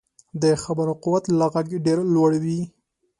د خبرو قوت له غږ ډېر لوړ وي